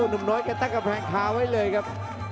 หนุ่มน้อยแกตั้งกำแพงคาไว้เลยครับ